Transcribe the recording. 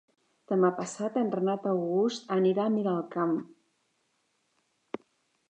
Demà passat en Renat August anirà a Miralcamp.